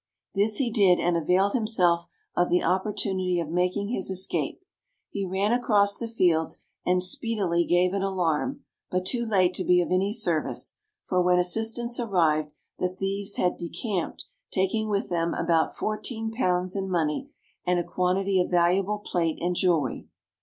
This he did, and availed himself of the opportunity of making his escape. He ran across the fields and speedily gave an alarm, but too late to be of any service; for, when assistance arrived, the thieves had decamped, taking with them about 14 pounds in money, and a quantity of valuable plate and jewellery.